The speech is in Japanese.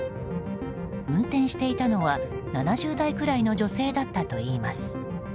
運転していたのは７０代くらいの女性だったといいます。